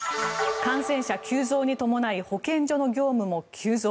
感染者急増に伴い保健所の業務も急増。